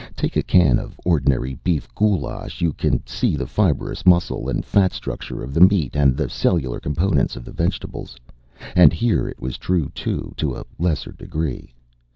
Take a can of ordinary beef goulash; you can see the fibrous muscle and fat structure of the meat, and the cellular components of the vegetables. And here it was true, too, to a lesser degree.